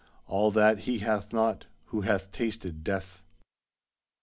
All that he hath not, who hath tasted death."